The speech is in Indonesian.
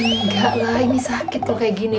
ya enggak lah ini sakit kalau kayak gini